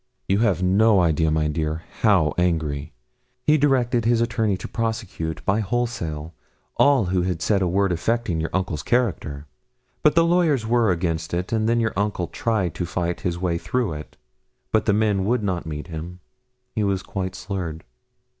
'You have no idea, my dear, how angry. He directed his attorney to prosecute, by wholesale, all who had said a word affecting your uncle's character. But the lawyers were against it, and then your uncle tried to fight his way through it, but the men would not meet him. He was quite slurred.